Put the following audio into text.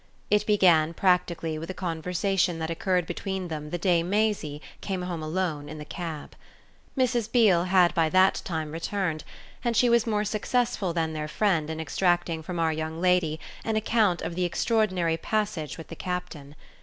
It began practically with a conversation that occurred between them the day Maisie, came home alone in the cab. Mrs. Beale had by that time returned, and she was more successful than their friend in extracting from our young lady an account of the extraordinary passage with the Captain.